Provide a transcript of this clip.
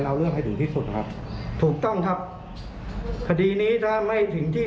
เรายืนยันว่าเขาเป็นตำรวจ